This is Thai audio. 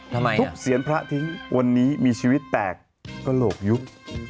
ทำไมทุบเสียงพระทิ้งวันนี้มีชีวิตแตกกระโหลกยุบ